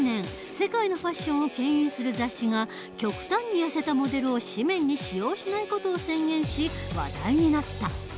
世界のファッションをけん引する雑誌が極端にやせたモデルを紙面に使用しない事を宣言し話題になった。